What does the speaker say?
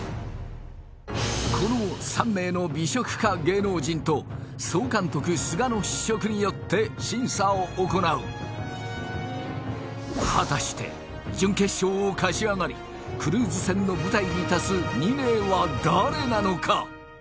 この３名の美食家芸能人と総監督須賀の試食によって審査を行う果たして準決勝を勝ち上がりクルーズ船の舞台に立つ２名は誰なのか？